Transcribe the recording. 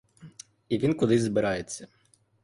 І він кудись збирається.